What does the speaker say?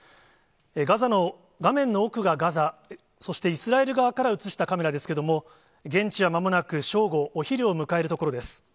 ガザの、画面の奥がガザ、そしてイスラエル側から映したカメラですけれども、現地はまもなく正午、お昼を迎えるところです。